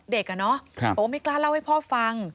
เด็กอะเนาะไม่กล้าเล่าให้พ่อฟัง